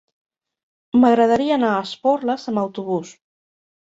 M'agradaria anar a Esporles amb autobús.